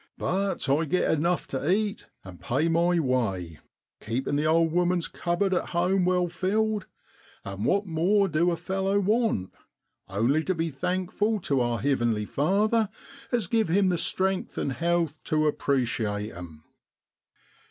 But I get enuf to eat, an' pay my way, keepin' the old woman's cupboard at home well filled and what more du a fellow want, only to be thankful to our hivenly Father as give him strength an' helth tu appreciate 'em.